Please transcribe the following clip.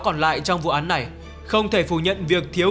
còn lại trong vụ án này không thể phủ nhận việc thiếu